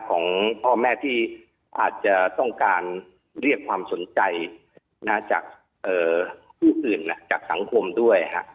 ของพ่อแม่ที่อาจจะต้องการเรียกความสนใจจากผู้อื่นจากสังคมด้วย